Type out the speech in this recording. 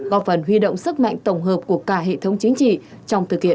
góp phần huy động sức mạnh tổng hợp của cả hệ thống chính trị